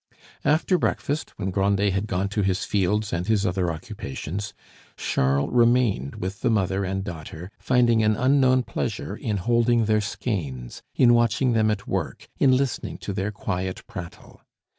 After breakfast, when Grandet had gone to his fields and his other occupations, Charles remained with the mother and daughter, finding an unknown pleasure in holding their skeins, in watching them at work, in listening to their quiet prattle.